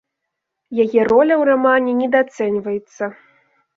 Яе роля ў рамане недаацэньваецца.